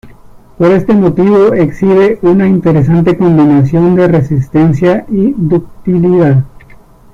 Por este motivo exhiben una interesante combinación de resistencia y ductilidad.